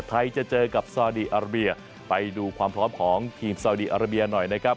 จะเจอกับซาดีอาราเบียไปดูความพร้อมของทีมซาวดีอาราเบียหน่อยนะครับ